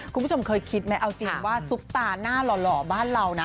คุณผู้ชมเคยคิดไหมเอาจริงว่าซุปตาหน้าหล่อบ้านเรานะ